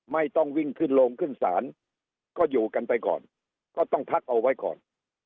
ไม่ต้องวิ่งขึ้นโรงขึ้นศาลก็อยู่กันไปก่อนก็ต้องพักเอาไว้ก่อน